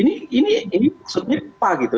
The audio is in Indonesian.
ini ini ini maksudnya lupa gitu